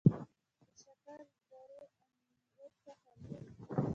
د شکردرې انګور څه خوند لري؟